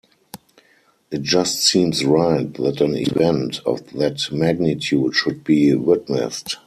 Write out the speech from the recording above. It just seems right that an event of that magnitude should be witnessed.